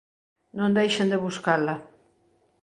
"Non deixen de buscala".